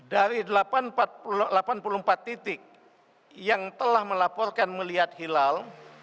dari delapan puluh empat titik yang telah melaporkan melihat hilal